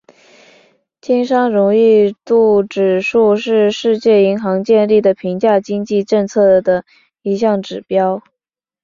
经商容易度指数是世界银行建立的评价经济政策的一项指标。